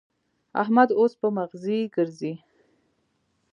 احمد اوس په مغزي ګرزي.